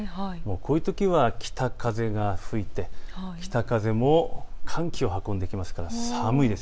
こういうときは北風が吹いて、北風も寒気を運んでくるので寒いです。